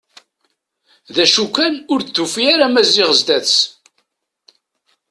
D acu kan ur d-tufi ara Maziɣ sdat-s.